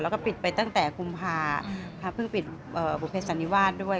แล้วก็ปิดไปตั้งแต่กุมภาพฤษฎริวาสด้วย